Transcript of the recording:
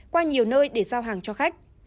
qua nhiều nơi để giao hàng cho khách